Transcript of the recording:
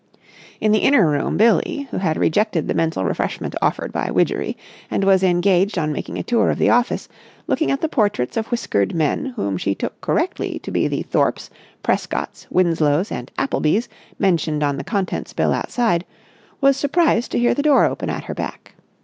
In the inner room Billie, who had rejected the mental refreshment offered by Widgery and was engaged on making a tour of the office, looking at the portraits of whiskered men whom she took correctly to be the Thorpes, Prescotts, Winslows, and Applebys mentioned on the contents bill outside, was surprised to hear the door open at her back.